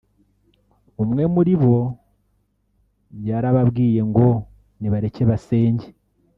umwe muri bo yarababwiye ngo nibareke basenge